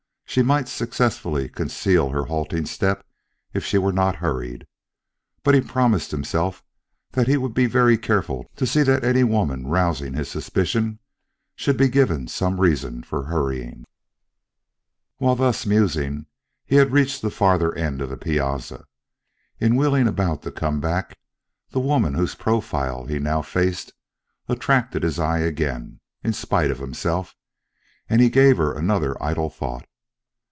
she might successfully conceal her halting step if she were not hurried. But he promised himself that he would be very careful to see that any woman rousing his suspicion should be given some reason for hurrying. While thus musing, he had reached the farther end of the piazza. In wheeling about to come back, the woman whose profile he now faced attracted his eye again, in spite of himself, and he gave her another idle thought.